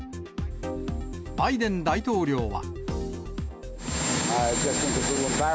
バイデン大統領は。